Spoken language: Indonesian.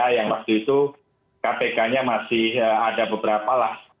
yang waktu itu kpk nya masih ada beberapa lah